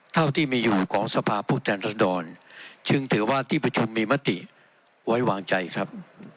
เท่าที่มีอยู่ของสภาพผู้แทนรัศดรจึงถือว่าที่ประชุมมีมติไว้วางใจครับ